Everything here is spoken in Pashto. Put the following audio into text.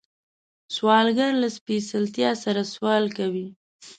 سوالګر له سپېڅلتیا سره سوال کوي